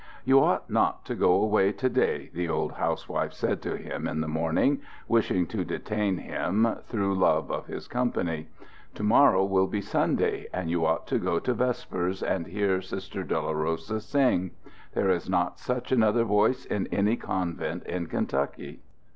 "You ought not to go away to day," the old housewife said to him in the morning, wishing to detain him through love of his company. "To morrow will be Sunday, and you ought to go to vespers and hear Sister Dolorosa sing. There is not such another voice in any convent in Kentucky."